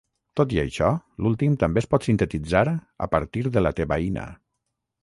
Tot i això, l"últim també es pot sintetitzar a partir de la tebaïna.